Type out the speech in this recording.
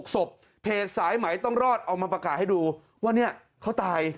ศพเพจสายไหมต้องรอดเอามาประกาศให้ดูว่าเนี่ยเขาตาย